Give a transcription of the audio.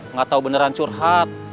nggak tahu beneran curhat